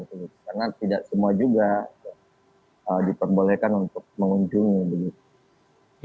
karena tidak semua juga diperbolehkan untuk mengunjungi